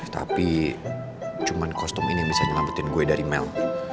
tapi cuma kostum ini bisa nyelabutin gue dari mel